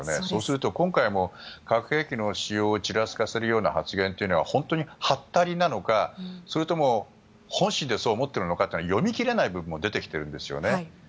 そうすると、今回も化学兵器の使用をちらつかせるような発言というのは本当にはったりなのかそれとも本心でそう思っているのかというのは読み切れない部分も出てきているんですよね。